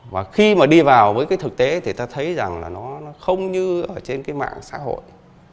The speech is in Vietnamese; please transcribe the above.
và khi mà đi vào với cái thực tế thì ta thấy rằng là nó không như ở trên cái mạng xã hội